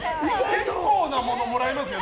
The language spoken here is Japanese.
結構なもの、もらえますよ。